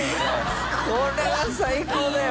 これは最高だよ。